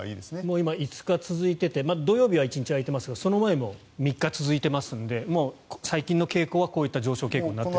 今、５日続いていて土曜日は１日空いていますがその前も３日続いていますので最近の傾向はこういった上昇傾向になっている。